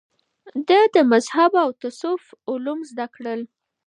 ده د مذهب او تصوف علوم زده کړل